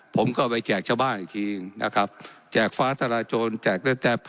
ผมก็ไปแจกชาวบ้านอีกทีนะครับแจกฟ้าทราโจรแจกได้แต่พอ